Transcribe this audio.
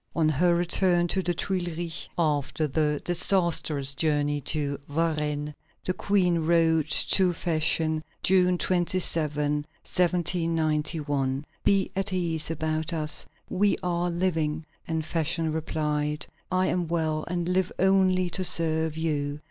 On her return to the Tuileries after the disastrous journey to Varennes, the Queen wrote to Fersen, June 27, 1791: "Be at ease about us; we are living," and Fersen replied: "I am well, and live only to serve you."